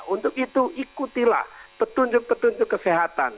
untuk itu ikutilah petunjuk petunjuk kesehatan